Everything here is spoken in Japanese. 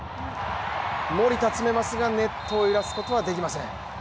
守田詰めますがネットを揺らすことはできません。